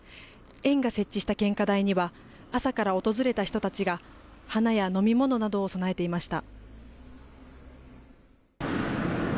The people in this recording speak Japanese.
園が設置した献花台には朝から訪れた人たちが花や飲み物などを供えていました。